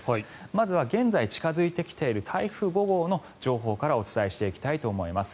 まずは現在近付いてきている台風５号の情報からお伝えしていきたいと思います。